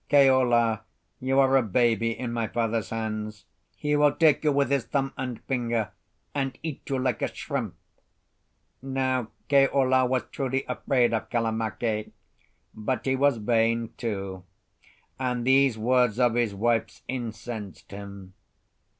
Keola, you are a baby in my father's hands; he will take you with his thumb and finger and eat you like a shrimp." Now Keola was truly afraid of Kalamake, but he was vain too; and these words of his wife's incensed him.